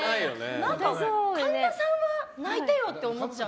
神田さんは泣いてよって思っちゃう。